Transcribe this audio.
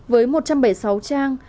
với một trăm bảy mươi sáu trang